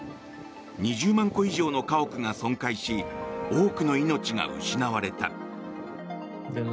２０万戸以上の家屋が損壊し多くの命が失われた。